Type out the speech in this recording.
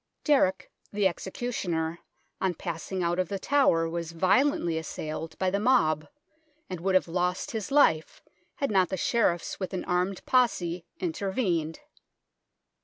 Derrick, the executioner, on passing out of The Tower was violently assailed by the mob, and would have lost his life had not the Sheriffs with an armed posse intervened.